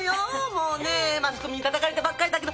もうねマスコミにたたかれてばっかりだけど。